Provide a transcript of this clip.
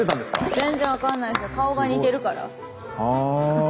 全然分かんないけど顔が似てるから。